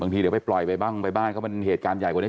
ทีเดี๋ยวไปปล่อยไปบ้างไปบ้านเขามันเหตุการณ์ใหญ่กว่านี้